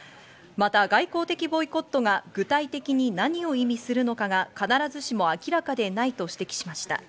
また、外交的ボイコットが具体的に何を意味するのかが必ずしも明らかでないと指摘しました。